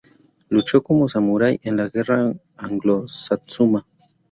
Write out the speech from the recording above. Luchó, como samurai, en la Guerra Anglo-Satsuma.